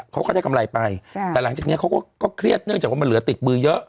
เขาก็ได้กำไรไปแต่หลังจากนี้เขาก็เครียดเนื่องจากว่ามันเหลือติดมือเยอะ